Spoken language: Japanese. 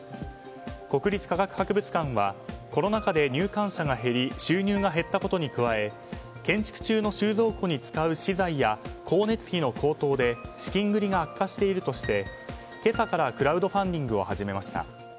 国立科学博物館はコロナ禍で入館者が減り収入が減ったことに加え建築中の収蔵庫に使う資材や光熱費の高騰で資金繰りが悪化しているとして今朝からクラウドファンディングを始めました。